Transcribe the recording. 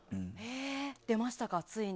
出ましたか、ついに。